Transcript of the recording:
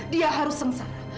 dia harus sengsara